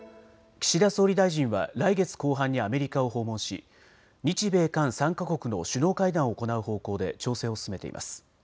岸田総理大臣は来月後半にアメリカを訪問し日米韓３か国の首脳会談を行う方向で調整を進めています。